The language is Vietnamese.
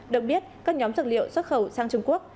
được biết các nhóm dược liệu xuất khẩu sang trung quốc